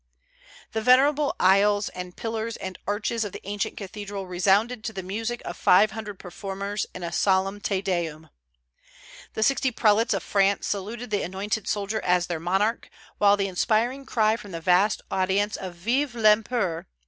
The venerable aisles and pillars and arches of the ancient cathedral resounded to the music of five hundred performers in a solemn Te Deum. The sixty prelates of France saluted the anointed soldier as their monarch, while the inspiring cry from the vast audience of _Vive l'Empereur!